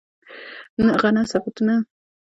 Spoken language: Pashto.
غه صنفونه، چي پښتوژبي له نورڅخه نه دي اخستي.